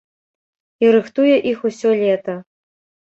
І рыхтуе іх усё лета.